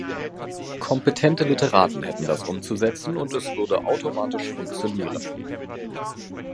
Kompetente Literaten hätten das umzusetzen und es würde „automatisch funktionieren“.